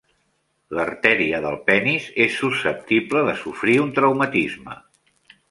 L'artèria del penis és susceptible de sofrir un traumatisme.